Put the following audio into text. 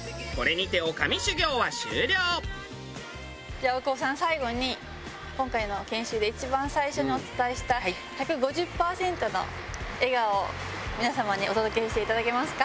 じゃあ大久保さん最後に今回の研修で一番最初にお伝えした１５０パーセントの笑顔を皆様にお届けしていただけますか？